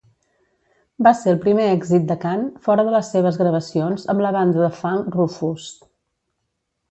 Va ser el primer èxit de Khan fora de les seves gravacions amb la banda de funk Rufus.